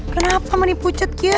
kenapa manipucet dia